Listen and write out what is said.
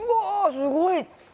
すごい。